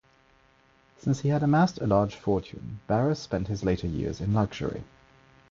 Since he had amassed a large fortune, Barras spent his later years in luxury.